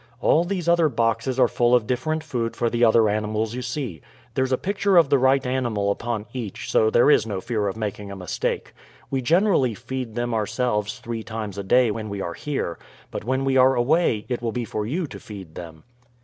All these other boxes are full of different food for the other animals you see. There's a picture of the right animal upon each, so there is no fear of making a mistake. We generally feed them ourselves three times a day when we are here, but when we are away it will be for you to feed them."